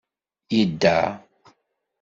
Idda.